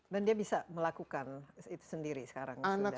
dan dia bisa melakukan itu sendiri sekarang